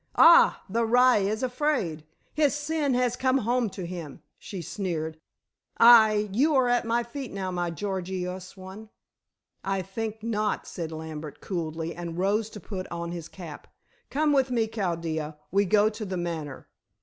"Ah, the rye is afraid. His sin has come home to him," she sneered. "Hai, you are at my feet now, my Gorgious one." "I think not," said Lambert coolly, and rose to put on his cap. "Come with me, Chaldea. We go to The Manor."